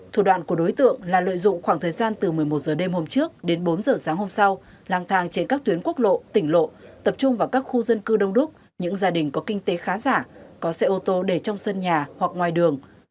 thủ đoạn của đối tượng là lợi dụng khoảng thời gian từ một mươi một h đêm hôm trước đến bốn h sáng hôm sau lang thang trên các tuyến quốc lộ tỉnh lộ tập trung vào các khu dân cư đông đúc những gia đình có kinh tế khá giả có xe ô tô để trong sân nhà hoặc ngoài đường